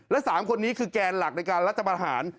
และ๓คนนี้คือแกนหลักในการรัฐประหาร